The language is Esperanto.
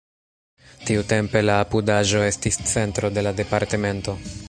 Tiutempe la apudaĵo estis centro de la departemento.